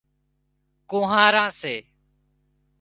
ڪونهاران سي